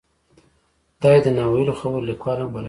دای د نا ویلو خبرو لیکوال بللی شو.